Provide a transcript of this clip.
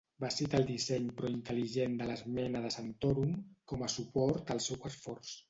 Va citar el disseny prointel·ligent de l'esmena de Santorum com a suport al seu esforç.